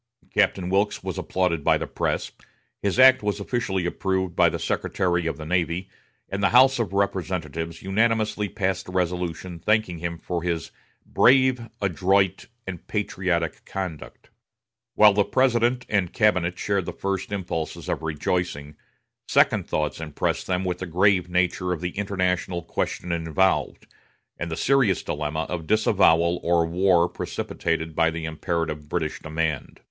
Captain Wilkes was applauded by the press; his act was officially approved by the Secretary of the Navy, and the House of Representatives unanimously passed a resolution thanking him for his "brave, adroit, and patriotic conduct." While the President and cabinet shared the first impulses of rejoicing, second thoughts impressed them with the grave nature of the international question involved, and the serious dilemma of disavowal or war precipitated by the imperative British demand.